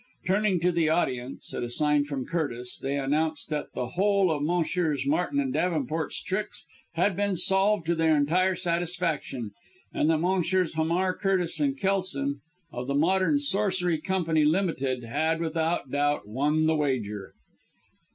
Turning to the audience at a sign from Curtis they announced that the whole of Messrs. Martin and Davenport's tricks had been solved to their entire satisfaction, and that Messrs. Hamar, Curtis and Kelson of the Modern Sorcery Company Ltd. had, without doubt, won the wager.